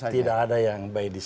tidak ada yang baik di sana